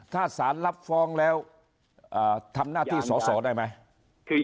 ถ้าสารรับฟ้องแล้วทำหน้าที่สอสอได้ไหม